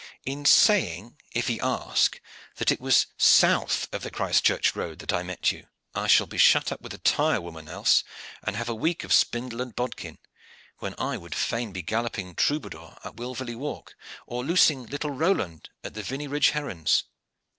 "In saying, if he ask, that it was south of the Christchurch road that I met you. I shall be shut up with the tire women else, and have a week of spindle and bodkin, when I would fain be galloping Troubadour up Wilverley Walk, or loosing little Roland at the Vinney Ridge herons."